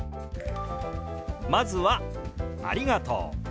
まずは「ありがとう」。